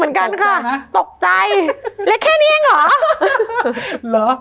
มันทำให้ชีวิตผู้มันไปไม่รอด